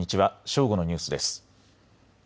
正午のニュースです。